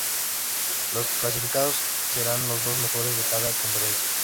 Los clasificados serán los dos mejores de cada conferencia.